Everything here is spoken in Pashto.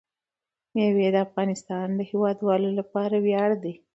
مېوې د افغانستان د هیوادوالو لپاره ویاړ دی.